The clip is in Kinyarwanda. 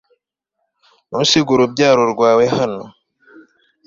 Ntusige urubyaro rwawe hano